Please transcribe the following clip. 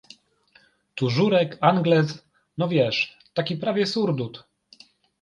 Tużurek, anglez, no wiesz, taki prawie surdut.